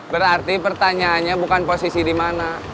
berarti pertanyaannya bukan posisi di mana